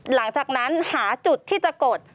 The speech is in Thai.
หลังจากนั้นหาจุดที่จะกด